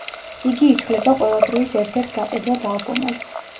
იგი ითვლება ყველა დროის ერთ-ერთ გაყიდვად ალბომად.